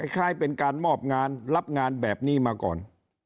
คล้ายเป็นการมอบงานรับงานแบบนี้มาก่อน